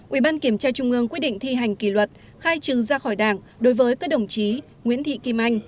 ủy ban kiểm tra trung ương quy định thi hành kỷ luật khai trừ ra khỏi đảng đối với các đồng chí nguyễn thị kim anh